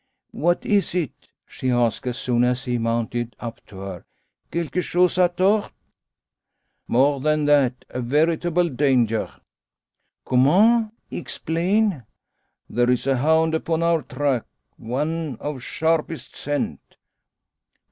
"What is it?" she asks, soon as he has mounted up to her, "Quelque chose a tort?" "More than that. A veritable danger!" "Comment? Explain!" "There's a hound upon our track! One of sharpest scent."